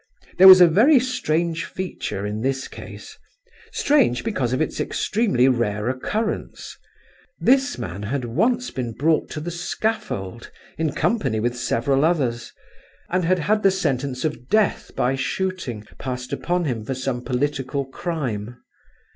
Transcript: There was a very strange feature in this case, strange because of its extremely rare occurrence. This man had once been brought to the scaffold in company with several others, and had had the sentence of death by shooting passed upon him for some political crime.